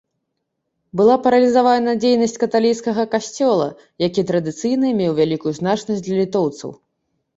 Была паралізавана дзейнасць каталіцкага касцёла, які традыцыйна меў вялікую значнасць для літоўцаў.